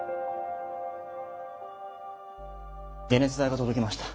解熱剤が届きました。